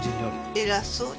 偉そうに。